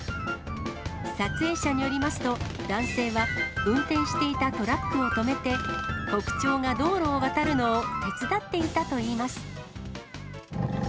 撮影者によりますと、男性は運転していたトラックを止めて、コクチョウが道路を渡るのを手伝っていたといいます。